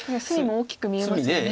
隅も大きく見えますよね。